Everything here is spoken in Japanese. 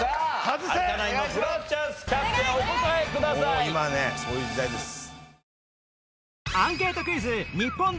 もう今はねそういう時代です。